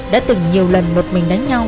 đã từng nhiều lần một mình đánh nhau